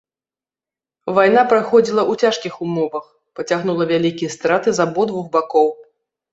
Вайна праходзіла ў цяжкіх умовах, пацягнула вялікія страты з абодвух бакоў.